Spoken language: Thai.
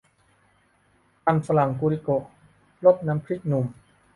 มันฝรั่งกูลิโกะ รสน้ำพริกหนุ่ม !